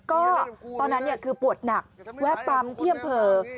ก็ตอนนั้นเนี่ยคือปวดหนักแวะปั๊มเที่ยมเผลอ